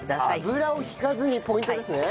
油を引かずにポイントですね。